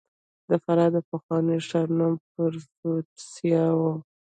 د فراه د پخواني ښار نوم پروفتاسیا و